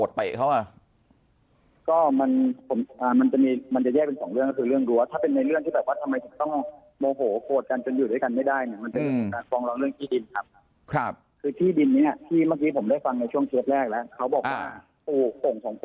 ถ้าไม่ได้ทางหรอก